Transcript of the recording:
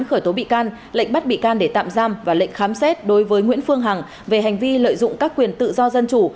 khởi tố bị can lệnh bắt bị can để tạm giam và lệnh khám xét đối với nguyễn phương hằng về hành vi lợi dụng các quyền tự do dân chủ